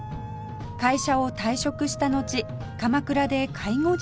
会社を退職したのち鎌倉で介護事業を始め